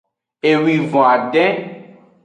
Ewivon adin.